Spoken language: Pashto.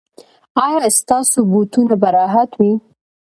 ایا ستاسو بوټونه به راحت وي؟